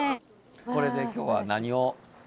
これで今日は何を？